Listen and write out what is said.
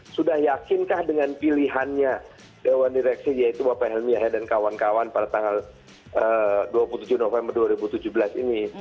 sudah yakinkah dengan pilihannya dewan direksi yaitu bapak helmiah dan kawan kawan pada tanggal dua puluh tujuh november dua ribu tujuh belas ini